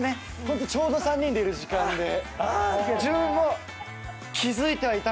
ホントちょうど３人でいる時間で。